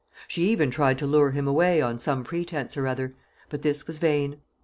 She even tried to lure him away on some pretence or other; but this was vain.